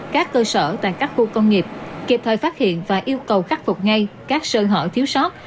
các cơ sở tại các khu công nghiệp kịp thời phát hiện và yêu cầu khắc phục ngay các sơ hở thiếu sót